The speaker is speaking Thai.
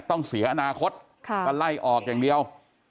ต้องเสียอนาคตก็ไล่ออกอย่างเดียว